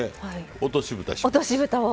落としぶたを。